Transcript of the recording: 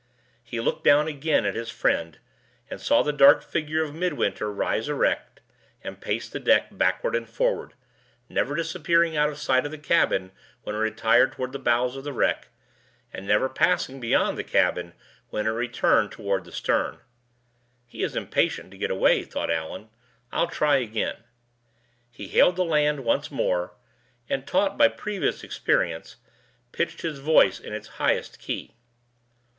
He looked down again at his friend, and saw the dark figure of Midwinter rise erect, and pace the deck backward and forward, never disappearing out of sight of the cabin when it retired toward the bows of the wreck, and never passing beyond the cabin when it returned toward the stern. "He is impatient to get away," thought Allan; "I'll try again." He hailed the land once more, and, taught by previous experience, pitched his voice in its highest key.